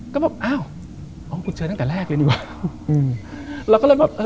ก็แบบอ้าวกูเจอตั้งแต่แรกเลยดีกว่า